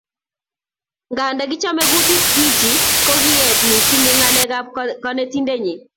Nganda kichomei kutit Gwiji kokiet missing eng ngalekab konetindenyii